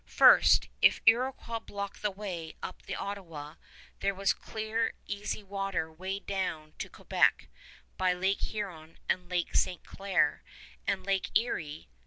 First, if Iroquois blocked the way up the Ottawa, there was clear, easy water way down to Quebec by Lake Huron and Lake Ste. Claire and Lake Erie.